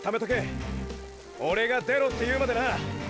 オレが“出ろ”って言うまでなァ！！